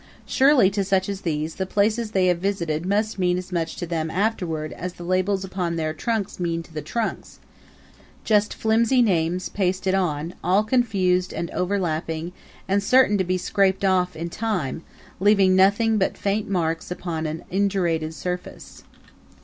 Surely to such as these, the places they have visited must mean as much to them, afterward, as the labels upon their trunks mean to the trunks just flimsy names pasted on, all confused and overlapping, and certain to be scraped off in time, leaving nothing but faint marks upon an indurated surface.